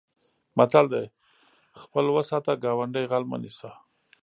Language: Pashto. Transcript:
متل دی: خپل و ساته ګاونډی غل مه نیسه.